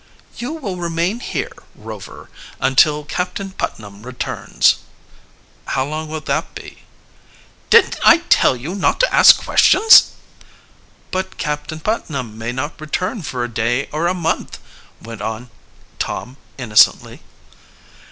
"You will remain here, Rover, until Captain Putnam returns." "How long will that be?" "Didn't I tell you not to ask questions?" "But Captain Putnam may not return for a day or a month," went on Tom innocently.